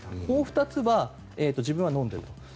もう２つは、自分は飲んでる。